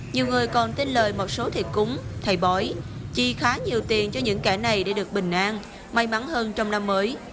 nhiều người còn tin lời một số thầy cúng thầy bói chi khá nhiều tiền cho những kẻ này để được bình an may mắn hơn trong năm mới